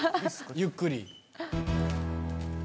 ゆっくり。